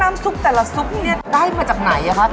น้ำซุปแต่ละซุปเนี่ยได้มาจากไหนอะคะ